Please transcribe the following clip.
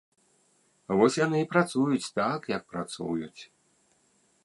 Вось яны і працуюць так, як працуюць.